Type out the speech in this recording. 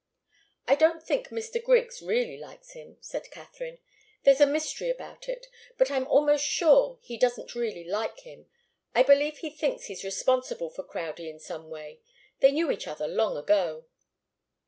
"I don't think Mr. Griggs really likes him," said Katharine. "There's a mystery about it. But I'm almost sure he doesn't really like him. I believe he thinks he's responsible for Crowdie in some way. They knew each other long ago."